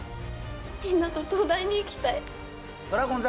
みんなと東大に行きたい「ドラゴン桜」